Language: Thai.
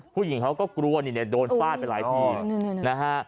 ผู้หญิงเขาก็กลัวนี่เนี่ยโดนฟาดไปหลายที่นะฮะ